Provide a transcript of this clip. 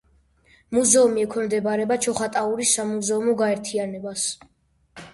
მუზეუმი ექვემდებარება ჩოხატაურის სამუზეუმო გაერთიანებას.